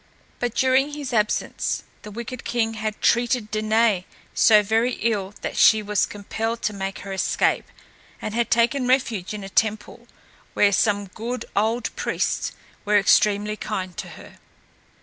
But during his absence, the wicked king had treated Danaë so very ill that she was compelled to make her escape, and had taken refuge in a temple, where some good old priests were extremely kind to her.